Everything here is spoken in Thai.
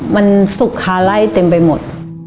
มันสุกคาไล่เต็มไปหมด